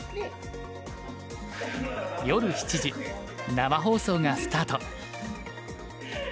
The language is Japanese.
夜７時生放送がスタート。